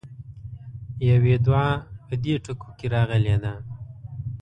يوې دعا په دې ټکو کې راغلې ده.